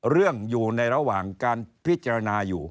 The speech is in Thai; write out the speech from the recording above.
อยู่ในระหว่างการพิจารณาอยู่